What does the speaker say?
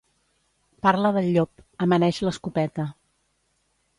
Parla del llop, amaneix l'escopeta.